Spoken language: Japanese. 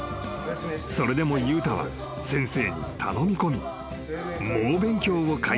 ［それでも悠太は先生に頼み込み］